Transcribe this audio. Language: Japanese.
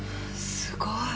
すごい。